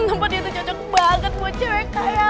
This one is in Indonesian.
ya ampun tempat itu cocok banget buat cewek kaya